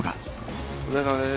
お疲れさまです。